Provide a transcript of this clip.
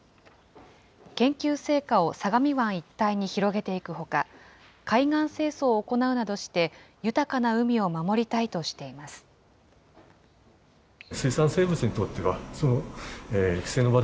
研究成果を相模湾一帯に広げていくほか、海岸清掃を行うなどして、豊かな海を守りたいとしています。